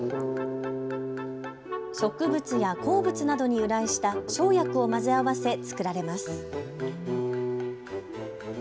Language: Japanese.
植物や鉱物などに由来した生薬を混ぜ合わせ作られます。